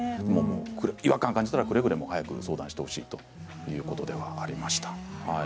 違和感を感じたらくれぐれも早く相談してほしいということでした。